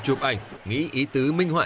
chụp ảnh nghĩ ý tứ minh họa